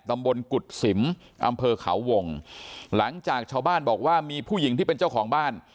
ตำบลกุฎสิมอำเภอเขาวงหลังจากชาวบ้านบอกว่ามีผู้หญิงที่เป็นเจ้าของบ้าน